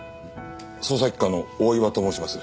捜査一課の大岩と申します。